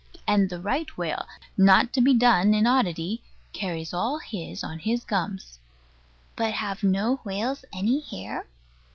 And the right whale, not to be done in oddity, carries all his on his gums. But have no whales any hair?